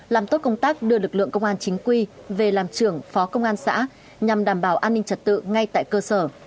làm tốt công tác đưa lực lượng công an chính quy về làm trưởng phó công an xã nhằm đảm bảo an ninh trật tự ngay tại cơ sở